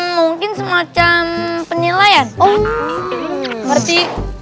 mungkin semacam penilaian oh berarti